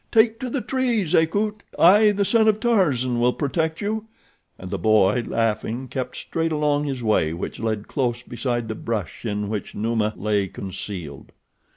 Take to the trees. Akut! I, the son of Tarzan, will protect you," and the boy, laughing, kept straight along his way which led close beside the brush in which Numa lay concealed.